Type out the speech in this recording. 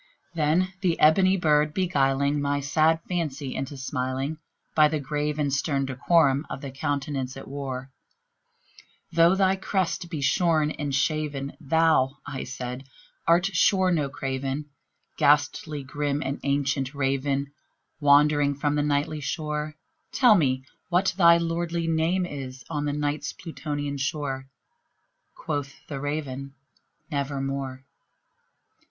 Then this ebony bird beguiling my sad fancy into smiling, By the grave and stern decorum of the countenance it wore, "Though thy crest be shorn and shaven, thou," I said, "art sure no craven, Ghastly grim and ancient Raven wandering from the Nightly shore Tell me what thy lordly name is on the Night's Plutonian shore!" Quoth the Raven, "Nevermore."